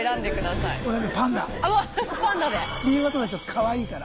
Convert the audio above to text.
かわいいから。